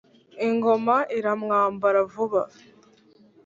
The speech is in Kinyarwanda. ingoma iramwambara vuba.